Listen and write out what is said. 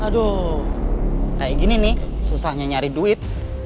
aduh kayak gini nih susahnya nyari duit